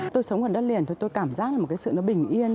tôi sống ở đất liền tôi cảm giác là một sự bình yên